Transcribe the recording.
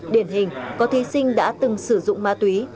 điển hình có thi sinh đã từng sử dụng ma túy